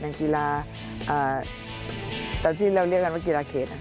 เป็นกีฬาตอนที่เราเรียกกันว่ากีฬาเขต